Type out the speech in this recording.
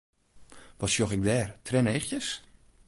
Wat sjoch ik dêr, trieneachjes?